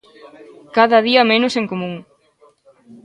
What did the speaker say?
'Cada día menos en común'.